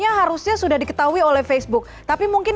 jadi kalau salah satu faktornya adalah karena adanya perusahaan